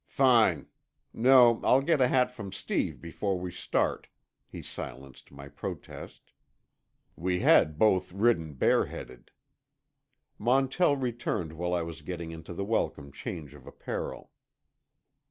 "Fine. No, I'll get a hat from Steve before we start," he silenced my protest. We had both ridden bareheaded. Montell returned while I was getting into the welcome change of apparel.